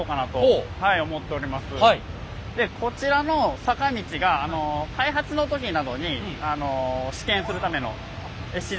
でこちらの坂道が開発の時などに試験するための試乗用の坂道と。